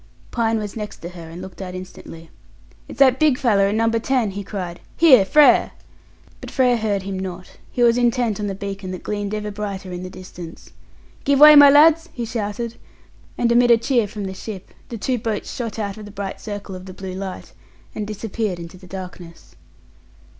Pine was next to her, and looked out instantly. "It's that big fellow in No. 10," he cried. "Here, Frere!" But Frere heard him not. He was intent on the beacon that gleamed ever brighter in the distance. "Give way, my lads!" he shouted. And amid a cheer from the ship, the two boats shot out of the bright circle of the blue light, and disappeared into the darkness.